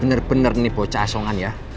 bener bener nih bocah asongan ya